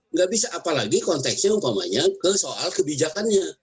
nggak bisa apalagi konteksnya umpamanya ke soal kebijakannya